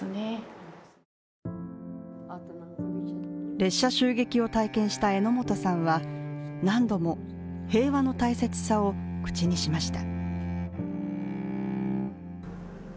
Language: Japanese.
列車襲撃を体験した榎本さんは何度も平和の大切さを口にしました。